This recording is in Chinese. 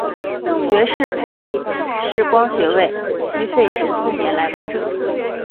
学士视光学位需费时四年来完成。